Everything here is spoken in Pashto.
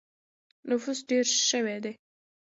نفوس ډېر شوی دی.